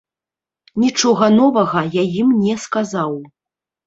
Нічога новага я ім не сказаў.